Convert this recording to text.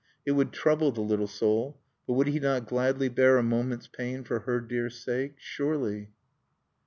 It would trouble the little soul; but would he not gladly bear a moment's pain for her dear sake? Surely!